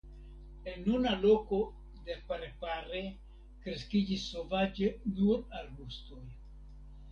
En nuna loko de Parepare kreskiĝis sovaĝe nur arbustoj.